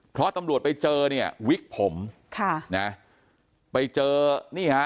เพราะตำรวจไปเจอเนี่ยวิกผมค่ะนะไปเจอนี่ฮะ